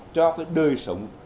cho cái đời sống